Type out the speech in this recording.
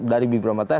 dari bibir pantai